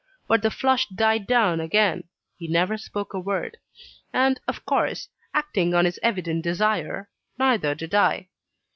But the flush died down again he never spoke a word. And, of course, acting on his evident desire, neither did I.